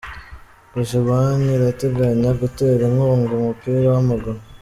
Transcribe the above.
Kojebanke irateganya gutera inkunga umupira w’amaguru